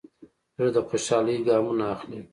زړه د خوشحالۍ ګامونه اخلي.